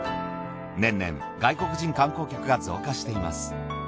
年々外国人観光客が増加しています。